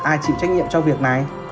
ai chịu trách nhiệm cho việc này